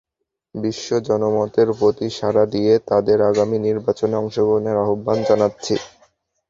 বিশ্ব জনমতের প্রতি সাড়া দিয়ে তাদের আগামী নির্বাচনে অংশগ্রহণের আহ্বান জানাচ্ছি।